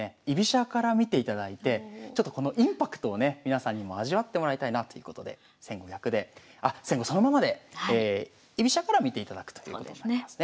居飛車から見ていただいてこのインパクトをね皆さんにも味わってもらいたいなということで先後逆であっ先後そのままで居飛車から見ていただくということになりますね。